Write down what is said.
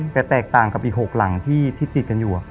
แต่แตกต่างกับอีก๖หลังที่ติดกันอยู่